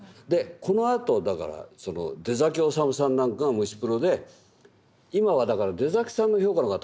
このあとだから出統さんなんかが虫プロで今はだから出さんの評価の方が高いんですよ。